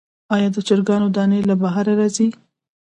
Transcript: آیا د چرګانو دانی له بهر راځي؟